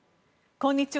こんにちは。